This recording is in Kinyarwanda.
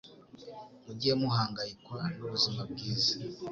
Mujye muhangayikwa n’ubuzima bwiza